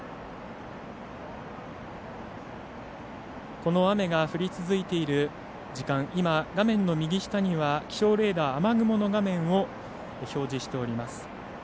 この雨が降り続いている時間画面の右下には気象レーダー雨雲の画面を表示しています。